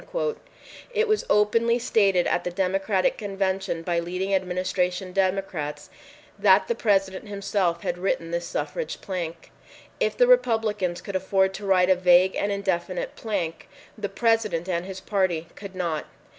It was openly stated at the Democratic Convention by leading Administration Democrats that the President himself had written this suffrage plank. If the Republicans could afford to write a vague and indefinite plank, the President and his party could not.